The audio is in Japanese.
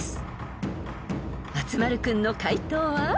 ［松丸君の解答は？］